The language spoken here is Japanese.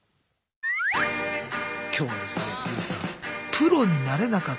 今日はですね